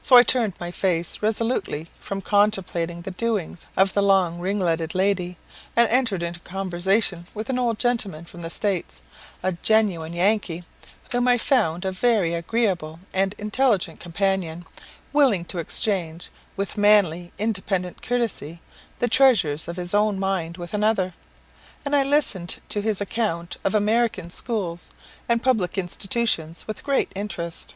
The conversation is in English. So I turned my face resolutely from contemplating the doings of the long ringletted lady, and entered into conversation with an old gentleman from the States a genuine Yankee, whom I found a very agreeable and intelligent companion, willing to exchange, with manly, independent courtesy, the treasures of his own mind with another; and I listened to his account of American schools and public institutions with great interest.